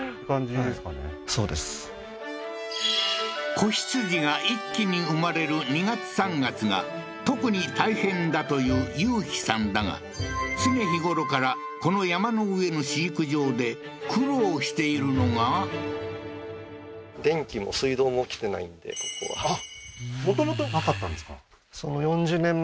子羊が一気に生まれる２月３月が特に大変だという雄飛さんだが常日頃からこの山の上の飼育場で苦労しているのがここはあっあ